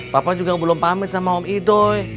papa juga belum pamit sama om idoi